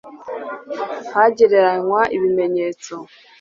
hanegeranywa ibimenyetso